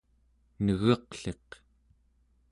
Negeqliq